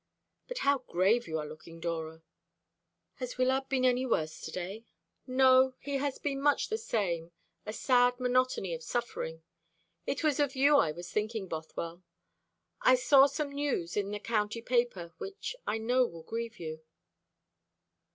But how grave you are looking, Dora! Has Wyllard been any worse to day?" "No; he has been much the same a sad monotony of suffering. It was of you I was thinking, Bothwell. I saw some news in the county paper which I know will grieve you."